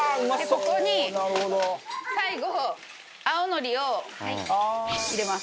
ここに最後青のりを入れます。